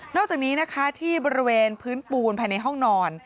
อกจากนี้นะคะที่บริเวณพื้นปูนภายในห้องนอน